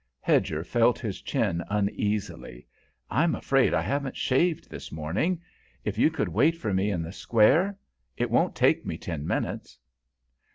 Hedger felt his chin uneasily. "I'm afraid I haven't shaved this morning. If you could wait for me in the Square? It won't take me ten minutes."